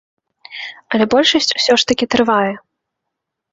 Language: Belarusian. Але большасць усё ж такі трывае.